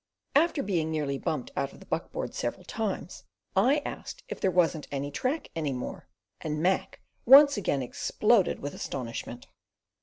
After being nearly bumped out of the buck board several times, I asked if there wasn't any track anywhere; and Mac once again exploded with astonishment.